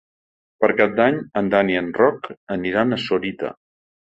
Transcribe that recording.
Per Cap d'Any en Dan i en Roc aniran a Sorita.